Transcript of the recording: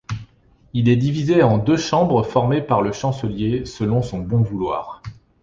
Il est divisé en deux chambres formées par le chancelier selon son bon vouloir.